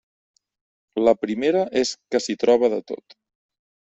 La primera és que s'hi troba de tot.